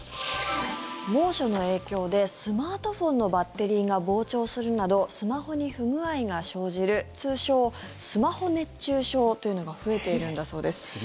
猛暑の影響でスマートフォンのバッテリーが膨張するなどスマホに不具合が生じる通称・スマホ熱中症というのが増えているんだそうです。